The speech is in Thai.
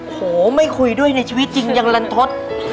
โหไม่คุยด้วยในชีวิตจริงยังลันทศ